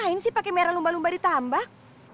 ngapain sih pakai miara lumba lumba ditambak